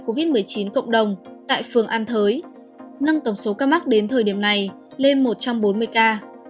tổng số ca mắc covid một mươi chín cộng đồng tại phường an thới nâng tổng số ca mắc đến thời điểm này lên một trăm bốn mươi ca